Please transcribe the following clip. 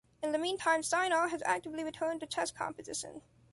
In the meantime Sinar has actively returned to chess composition.